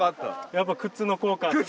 やっぱ靴の効果が。